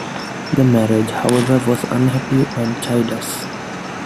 The marriage, however, was unhappy and childless.